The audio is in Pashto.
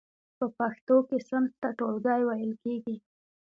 په پښتو کې صنف ته ټولګی ویل کیږی.